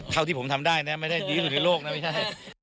ที่ผมทำได้นะไม่ได้ดีที่สุดในโลกนะไม่ใช่